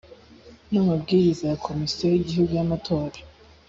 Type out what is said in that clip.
n’amabwiriza ya komisiyo y’igihugu y’amatora